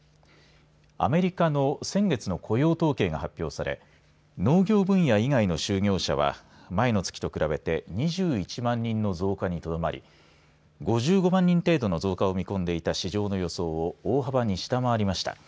アメリカの先月の雇用統計が発表され農業分野以外の就業者は前の月と比べて２１万人の増加にとどまり５５万人程度の増加を見込んでいた市場の予想を大幅に下回りました。